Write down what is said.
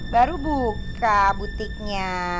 baru buka butiknya